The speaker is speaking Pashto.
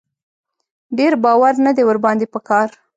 ډېر باور نه دی ور باندې په کار.